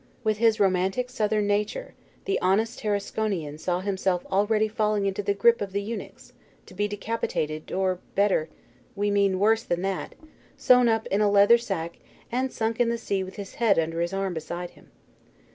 With his romantic southern nature, the honest Tarasconian saw himself already falling into the grip of the eunuchs, to be decapitated, or better we mean, worse than that, sewn up in a leather sack and sunk in the sea with his head under his arm beside him.